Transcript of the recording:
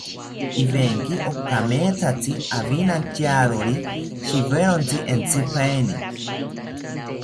Ivenki okamethatzi awinantyawori shiwerontzi entzipaeni